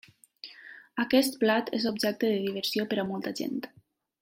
Aquest plat és objecte de diversió per a molta gent.